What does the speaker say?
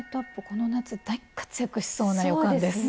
この夏大活躍しそうな予感です。